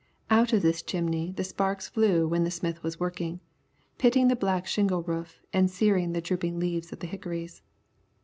Out of this chimney the sparks flew when the smith was working, pitting the black shingle roof and searing the drooping leaves of the hickories.